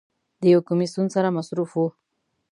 د یو کمیسون سره مصروف و.